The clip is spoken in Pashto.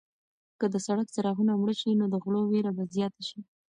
که د سړک څراغونه مړه شي نو د غلو وېره به زیاته شي.